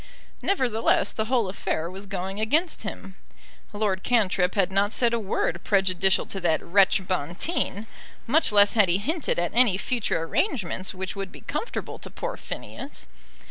Nevertheless, the whole affair was going against him. Lord Cantrip had not said a word prejudicial to that wretch Bonteen; much less had he hinted at any future arrangements which would be comfortable to poor Phineas.